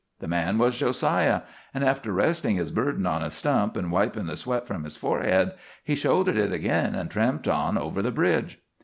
The man was Jo siah; and after restin' his burden on a stump and wipin' the sweat from his forehead, he shouldered hit again and tramped on over the bridge.